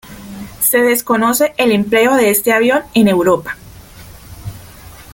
Se desconoce el empleo de este avión en Europa.